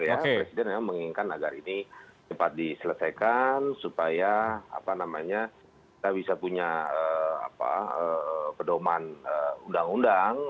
presiden memang menginginkan agar ini cepat diselesaikan supaya kita bisa punya pedoman undang undang